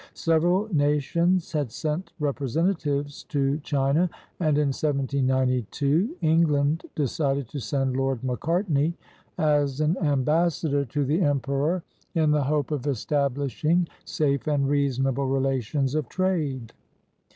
Several nations had sent representa tives to China, and in 1792 England decided to send Lord Macartney as an ambassador to the emperor in the hope of establishing safe and reasonable relations of trade.